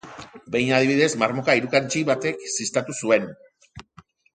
Behin, adibidez, marmoka irukandji batek ziztatu zuen.